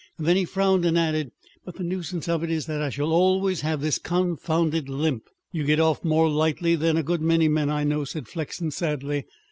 Then he frowned and added: "But the nuisance of it is that I shall always have this confounded limp." "You get off more lightly than a good many men I know," said Flexen sadly.